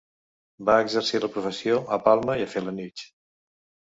Va exercir la professió a Palma i a Felanitx.